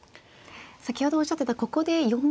先ほどおっしゃってたここで４六歩から。